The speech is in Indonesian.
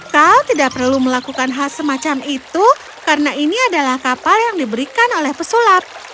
kau tidak perlu melakukan hal semacam itu karena ini adalah kapal yang diberikan oleh pesulap